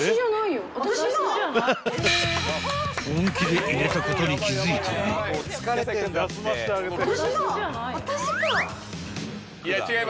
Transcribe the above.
［本気で入れたことに気付いてねぇ］